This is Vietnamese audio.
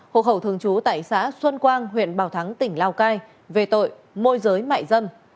hộ khẩu thường trú tại xã xuân quang huyện bảo thắng tỉnh lào cai về tội môi giới mại dâm